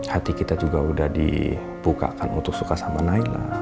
hati kita juga udah dibukakan untuk suka sama naila